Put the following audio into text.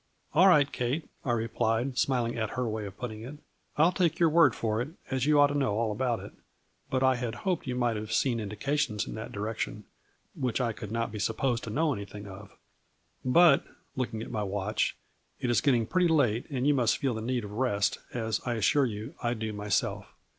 " All right, Kate," I replied, smiling at her way of putting it. " I'll take your word for it, as you ought to know all about it, but I had hoped you might have seen indications in that direction which I could not be supposed to know anything of. But," looking at my watch, " it is getting pretty late and you must feel the need of rest, as, I assure you, I do myself.